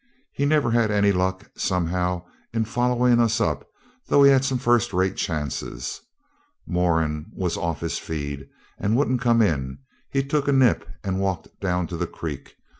He never had any luck somehow in following us up, though he had some first rate chances. Moran was off his feed, and wouldn't come in. He took a nip and walked down to the creek.